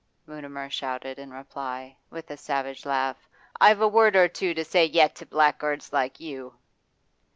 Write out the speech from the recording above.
Mutimer shouted in reply, with a savage laugh. 'I've a word or two to say yet to blackguards like you.